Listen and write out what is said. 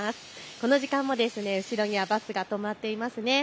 この時間も後ろにはバスが止まっていますね。